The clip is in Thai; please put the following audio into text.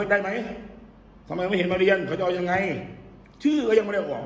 ได้ไหมทำไมไม่เห็นมาเรียนเขาจะเอายังไงชื่อก็ยังไม่ได้บอก